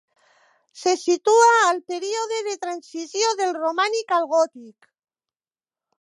Se situa al període de transició del romànic al gòtic.